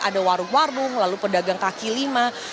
ada warung warung lalu pedagang kaki lima